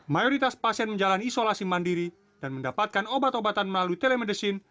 mayoritas pasien menjalani isolasi mandiri dan mendapatkan obat obatan melalui telemedicine